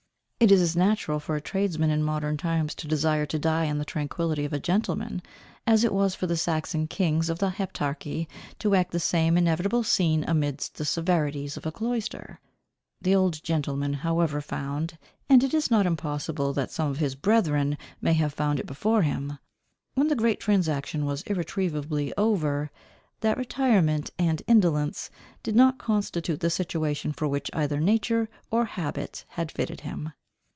It is as natural for a tradesman in modern times to desire to die in the tranquillity of a gentleman, as it was for the Saxon kings of the Heptarchy to act the same inevitable scene amidst the severities of a cloister. The old gentleman however found, and it is not impossible that some of his brethren may have found it before him, when the great transaction was irretrievably over, that retirement and indolence did not constitute the situation for which either nature or habit had fitted him.